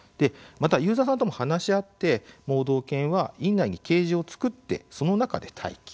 またユーザーさんとも話し合って盲導犬は院内にケージを作ってその中で待機。